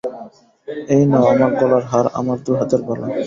এই নাও আমার গলার হার, আমার দু-হাতের বালা।